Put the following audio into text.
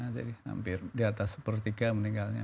jadi hampir di atas sepertiga meninggalnya